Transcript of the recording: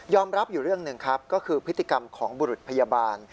รับอยู่เรื่องหนึ่งครับก็คือพฤติกรรมของบุรุษพยาบาล